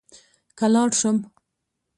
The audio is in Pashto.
که لاړ شم.